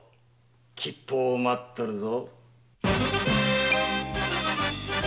吉報を待っとるぞ。